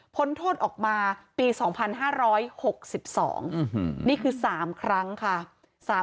โทษออกมาปี๒๕๖๒นี่คือ๓ครั้งค่ะ